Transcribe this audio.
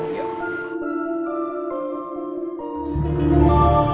masa ini kita bisa masuk ke dalam